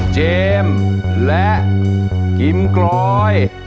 เจมส์และกิมกลอย